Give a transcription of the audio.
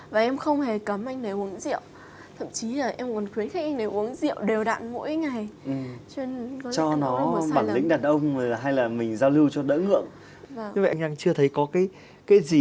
vậy anh đang chưa thấy có cái gì